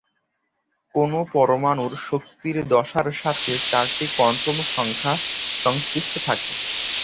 কোন পরমাণুর শক্তির দশার সাথে চারটি কোয়ান্টাম সংখ্যা সংশ্লিষ্ট থাকে।